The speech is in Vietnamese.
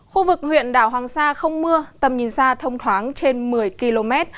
khu vực huyện đảo hoàng sa không mưa tầm nhìn xa thông thoáng trên một mươi km